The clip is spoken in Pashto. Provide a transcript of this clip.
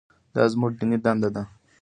دا زموږ دیني دنده ده.